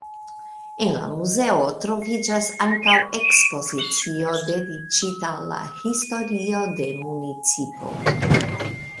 En la muzeo troviĝas ankaŭ ekspozicio dediĉita al la historio de municipo.